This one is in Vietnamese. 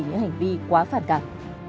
những hành vi quá phản cảm